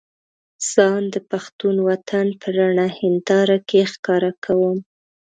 ځان د پښتون وطن په رڼه هينداره کې ښکاره کوم.